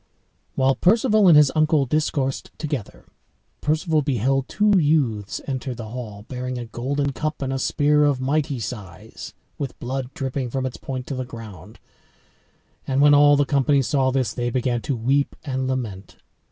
While Perceval and his uncle discoursed together, Perceval beheld two youths enter the hall bearing a golden cup and a spear of mighty size, with blood dropping from its point to the ground. And when all the company saw this they began to weep and lament.